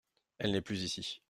Elle n’est plus ici…